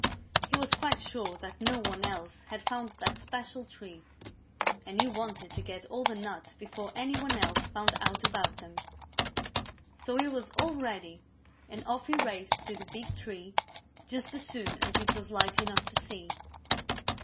He was quite sure that no one else had found that special tree, and he wanted to get all the nuts before any one else found out about them. So he was all ready and off he raced to the big tree just as soon as it was light enough to see.